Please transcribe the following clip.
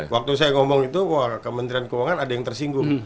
waktu saya ngomong itu wah kementerian keuangan ada yang tersinggung